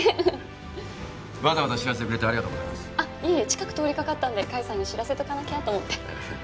近く通りかかったんで甲斐さんに知らせとかなきゃと思って。